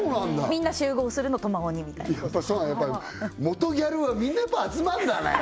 みんな集合するのトマオニみたいなやっぱり元ギャルはみんな集まるんだね